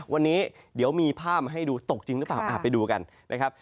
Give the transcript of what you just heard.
วันนี้เดี๋ยวมีภาพมาให้ดูตกจริงหรือเปล่าไปดูกันนะครับ